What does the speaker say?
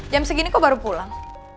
jam segini kok baru pulang